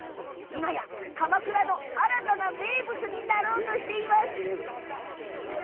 今や鎌倉の新たな名物になろうとしています。